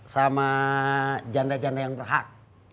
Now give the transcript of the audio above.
sama janda janda yang berhak